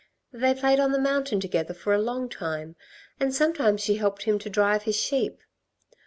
They played on the mountain together for a long time and sometimes she helped him to drive his sheep.